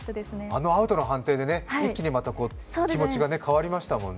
あのアウトの判定で一気に気持ちが変わりましたもんね。